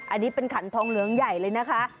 อันนี้เป็นขันทองเหลืองใหญ่เลยนะคะ